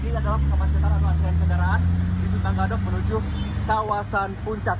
yang ini adalah kecetan atau aturan kendaraan di simpanggadok menuju kawasan puncak